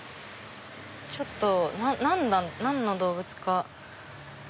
ちょっと何の動物か。